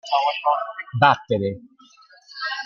Vattene!